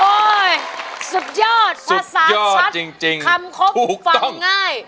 โอ้ยสุดยอดภาษาชัดสุดยอดจริงคำคบฟังง่าย